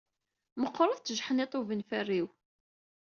Meqqeṛ-t tjeḥniḍ ubenferriw.